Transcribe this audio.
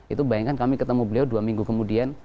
itu bayangkan kami ketemu beliau dua minggu kemudian